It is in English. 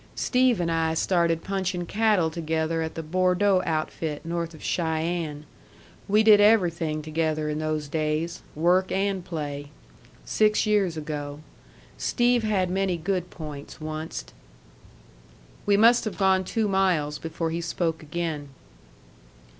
Steve and I started punching cattle together at the Bordeaux outfit, north of Cheyenne. We did everything together in those days work and play. Six years ago. Steve had many good points onced." We must have gone two miles before he spoke again.